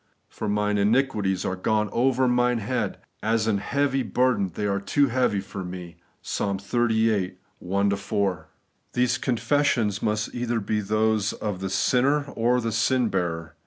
For mine iniquities are gone over mine head ; as an heavy burden, they are too heavy for me ' (Ps. xxxviii. 1 4). . These confessions must be either those of the sinner or the sin bearer.